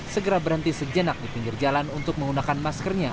segera berhenti sejenak di pinggir jalan untuk menggunakan maskernya